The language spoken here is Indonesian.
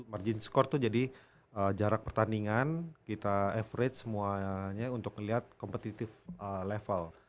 margin score itu jadi jarak pertandingan kita average semuanya untuk ngelihat competitive level